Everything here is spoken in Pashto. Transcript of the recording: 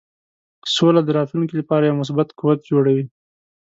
سوله د راتلونکې لپاره یو مثبت قوت جوړوي.